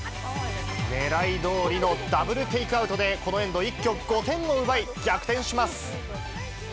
狙いどおりのダブルテイクアウトで、このエンド、一挙５点を奪い、逆転します。